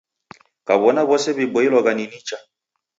Kaw'ona w'ose w'iboilwagha ni nicha.